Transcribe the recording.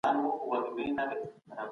که ته مرسته ونه کړې، خلګ مايوسه کېږي.